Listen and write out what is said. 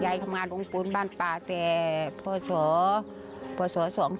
ยายมาดูวงฟูนบ้านป่าแต่พ่อโสพ่อโสสองที